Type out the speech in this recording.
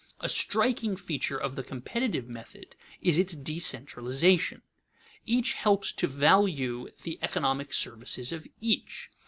A striking feature of the competitive method is its decentralization. Each helps to value the economic services of each.